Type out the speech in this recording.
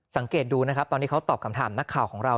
สังเกตดูนะครับตอนที่เขาตอบคำถามนักข่าวของเรา